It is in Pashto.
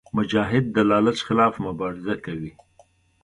مجاهد د لالچ خلاف مبارزه کوي.